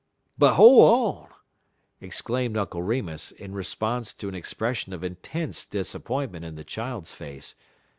"But hol' on!" exclaimed Uncle Remus, in response to an expression of intense disappointment in the child's face.